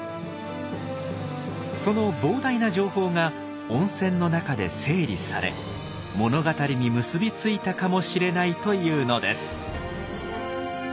その膨大な情報が温泉の中で整理され物語に結び付いたかもしれないというのです。